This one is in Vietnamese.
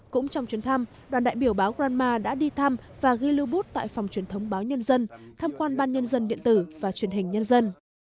cũng trong chuyến thăm đoàn đại biểu báo granma đã đi thăm và ghi lưu bút tại phòng truyền thống báo nhân dân tham quan ban nhân dân điện tử và truyền hình nhân dân